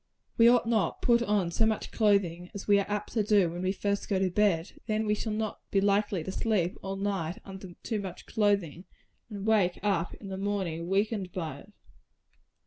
We ought not to put on so much clothing as we are apt to do when we first go to bed and then we shall not be likely to sleep all night under too much clothing, and wake up in the morning weakened by it.